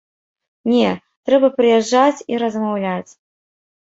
Не, трэба прыязджаць і размаўляць.